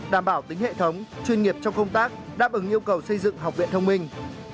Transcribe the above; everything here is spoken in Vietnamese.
đảm bảo tính hệ thống chuyên nghiệp trong công tác đáp ứng yêu cầu xây dựng học viện thông minh